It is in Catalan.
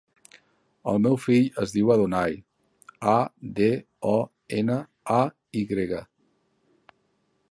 El meu fill es diu Adonay: a, de, o, ena, a, i grega.